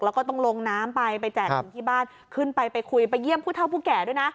แล้วก็ต้องลงน้ำไปไปแจกถึงที่บ้านขึ้นไปไปคุยไปเยี่ยมผู้เท่าผู้แก่ด้วยนะ